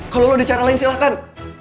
kalau lo di cara lain silahkan